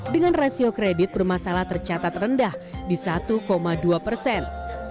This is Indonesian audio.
dengan rasio kredit bermasalah tercatat rendah di satu dua persen